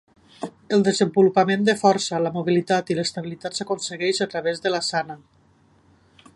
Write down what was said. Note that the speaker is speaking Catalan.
El desenvolupament de força, la mobilitat i l'estabilitat s'aconsegueix a través de l'àssana.